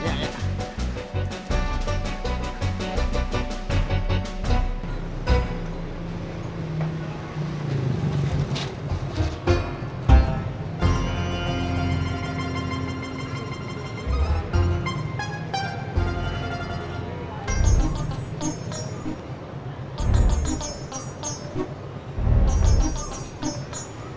jalannya cepat amat